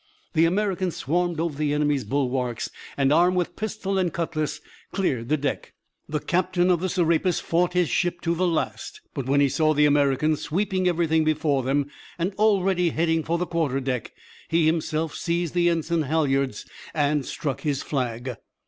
The Americans swarmed over the enemy's bulwarks, and, armed with pistol and cutlass, cleared the deck. The captain of the Serapis fought his ship to the last, but when he saw the Americans sweeping everything before them and already heading for the quarterdeck, he himself seized the ensign halyards and struck his flag.